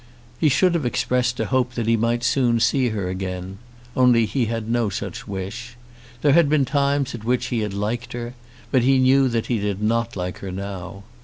He should have expressed a hope that he might soon see her again, only he had no such wish. There had been times at which he had liked her, but he knew that he did not like her now.